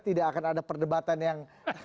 tidak akan ada perdebatan yang